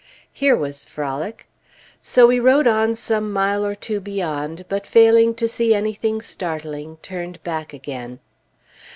Here was frolic! So we rode on some mile or two beyond, but failing to see anything startling, turned back again.